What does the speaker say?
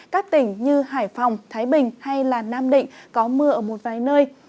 các tỉnh như hải phòng thái bình hay nam định có mưa ở một vài nơi